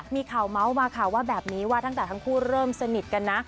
มีข่าวเมาส์มาค่ะว่าแบบนี้ว่าตั้งแต่ทั้งคู่เริ่มสนิทกันนะ